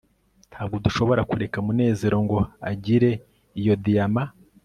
ntabwo dushobora kureka munezero ngo agire iyo diyama